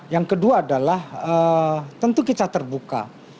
yang kedua adalah tentu kita terbuka